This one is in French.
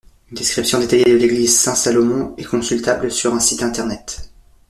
Une description détaillée de l'église Saint-Salomon est consultable sur un site Internet.